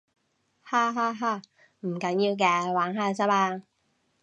哈哈哈，唔緊要嘅，玩下咋嘛